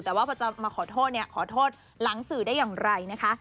แต่ว่ามาขอโทษขอโทษหลังสื่อได้อย่างไรนะคะ